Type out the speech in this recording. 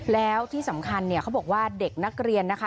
แล้วที่สำคัญเนี่ยเขาบอกว่าเด็กนักเรียนนะคะ